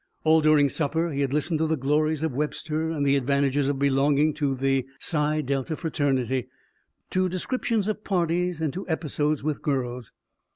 All during supper he had listened to the glories of Webster and the advantages of belonging to the Psi Delta fraternity, to descriptions of parties and to episodes with girls.